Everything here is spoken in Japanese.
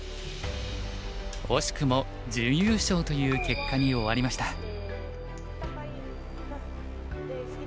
惜しくも準優勝という結果に終わりました。